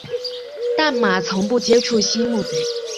但马从不接触溪木贼。